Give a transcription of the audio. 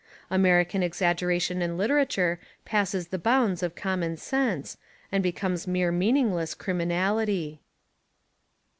American exaggera tion in literature passes the bounds of common sense, and becomes mere meaningless criminal ity.